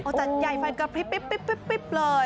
จัดใหญ่ไฟกระพริบเลย